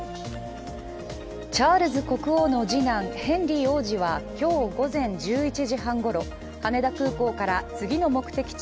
チャールズ国王の次男・ヘンリー王子は今日午前１１時半ごろ、羽田空港から次の目的地